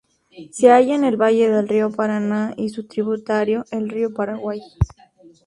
Se halla en el valle del río Paraná y su tributario, el río Paraguay.